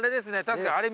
確か。